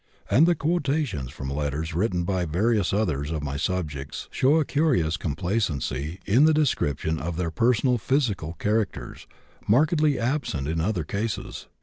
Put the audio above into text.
And the quotations from letters written by various others of my subjects show a curious complacency in the description of their personal physical characters, markedly absent in other cases.